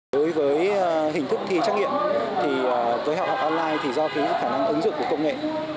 đối với hình thức thi trắc nghiệm thì với học học online thì do thiếu khả năng ứng dụng của công nghệ